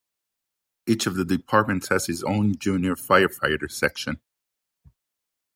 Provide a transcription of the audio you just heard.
Each of the departments has his own junior firefighter section.